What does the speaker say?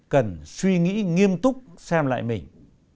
cần suy nghĩ nghiêm túc xem lại mình